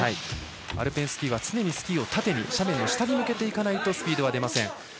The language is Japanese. アルペンスキーは常にスキーを縦に斜面を下に向けていかないとスピードは出ません。